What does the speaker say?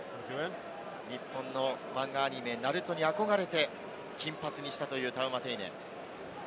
日本の漫画アニメ『ＮＡＲＵＴＯ』に憧れて金髪にしたというタウマテイネ。